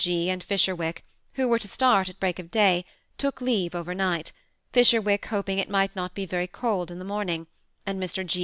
G. and Fisherwick, who were to start at break of day, took leave overnight. Fisher THE SEMI ATTACHED COUPLE. 217 wick hoping it might not be very cold in the morning, and Mr. G.